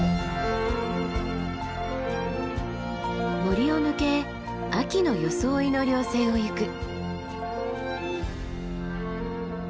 森を抜け秋の装いの稜線を行く。